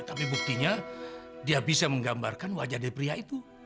tapi buktinya dia bisa menggambarkan wajah dari pria itu